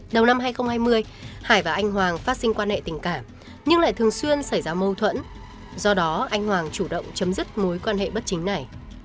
đầu năm hai nghìn hai mươi hải và anh hoàng phát sinh quan hệ tình cảm nhưng lại thường xuyên xảy ra mâu thuẫn do đó anh hoàng chủ động chấm dứt mối quan hệ bất chính này